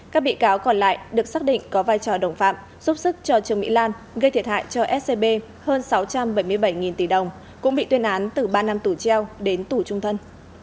các bị cáo còn lại được xác định có vai trò đồng phạm giúp sức cho trương mỹ lan gây thiệt hại cho scb hơn sáu trăm bảy mươi bảy tỷ đồng cũng bị tuyên án từ ba năm tù treo đến tù trung thân